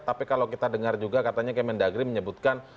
tapi kalau kita dengar juga katanya kemendagri menyebutkan